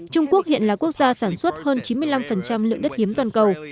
trung quốc hiện là quốc gia sản xuất hơn chín mươi năm lượng đất hiếm toàn cầu